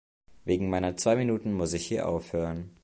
Wegen meiner zwei Minuten muss ich hier aufhören.